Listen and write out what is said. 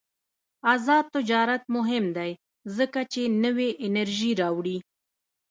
آزاد تجارت مهم دی ځکه چې نوې انرژي راوړي.